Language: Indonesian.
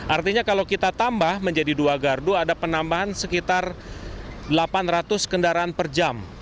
artinya kalau kita tambah menjadi dua gardu ada penambahan sekitar delapan ratus kendaraan per jam